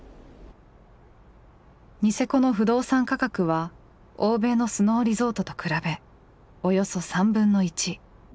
ニセコの不動産価格は欧米のスノーリゾートと比べおよそ３分の１。